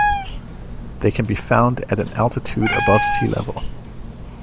They can be found at an altitude of above sea level.